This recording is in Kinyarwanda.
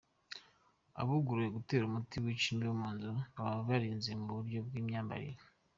Abaguriwe gutera umuti wica imibu mu nzu baba birinze mu buryo bw’imyambarire.